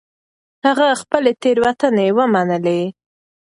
هغه خپلې تېروتنې ومنلې.